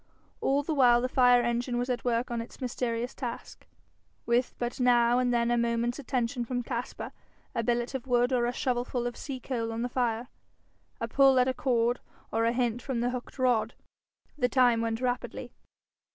All the while the fire engine was at work on its mysterious task, with but now and then a moment's attention from Caspar, a billet of wood or a shovelful of sea coal on the fire, a pull at a cord, or a hint from the hooked rod. The time went rapidly.